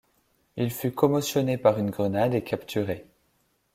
Il fut commotionné par une grenade et capturé.